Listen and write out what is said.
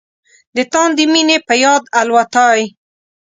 د تاندې مينې په یاد الوتای